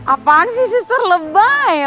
apaan sih sister lebay